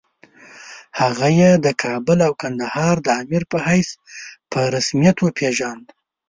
هغه یې د کابل او کندهار د امیر په حیث په رسمیت وپېژاند.